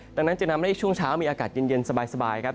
ดังนั้นจึงทำให้ช่วงเช้ามีอากาศเย็นสบายครับ